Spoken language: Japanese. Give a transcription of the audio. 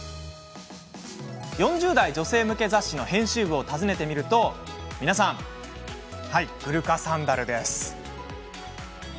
４０代女性向け雑誌の編集部を訪ねると皆さんグルカサンダル。